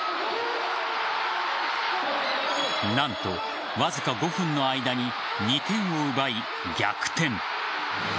何とわずか５分の間に２点を奪い逆転。